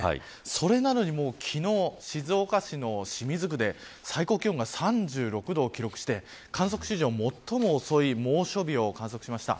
それなのに昨日、静岡市の清水区で最高気温が３６度を記録して観測史上、最も遅い猛暑日を観測しました。